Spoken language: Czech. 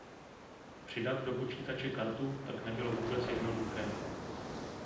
Přidat do počítače kartu tak nebylo vůbec jednoduché.